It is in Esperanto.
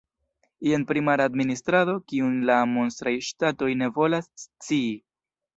Jen primara administrado, kiun la monstraj ŝtatoj ne volas scii.